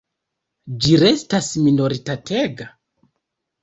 Ĝi restas minoritatega?